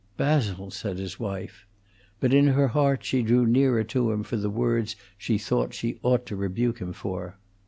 "Basil!" said his wife. But in her heart she drew nearer to him for the words she thought she ought to rebuke him for.